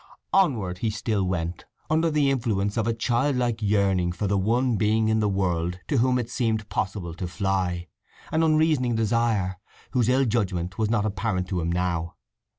Onward he still went, under the influence of a childlike yearning for the one being in the world to whom it seemed possible to fly—an unreasoning desire, whose ill judgement was not apparent to him now.